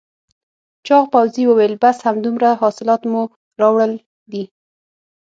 چاغ پوځي وویل بس همدومره حاصلات مو راوړل دي؟